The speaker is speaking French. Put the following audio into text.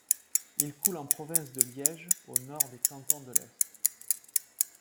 Il coule en province de Liège au nord des Cantons de l'Est.